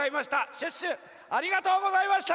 シュッシュありがとうございました！